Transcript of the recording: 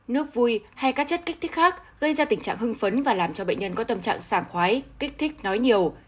nước vui hay các chất kích thích khác gây ra tình trạng hưng phấn và làm cho bệnh nhân có tâm trạng sảng khoái kích thích nói nhiều